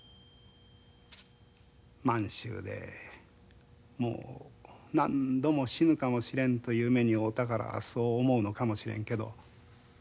満州でもう何度も死ぬかもしれんという目に遭うたからそう思うのかもしれんけど。